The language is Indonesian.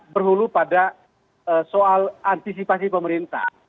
berhulu pada soal antisipasi pemerintah